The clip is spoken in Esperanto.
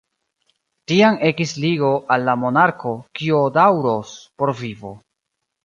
Tiam ekis ligo al la monarko, kio daŭros por vivo.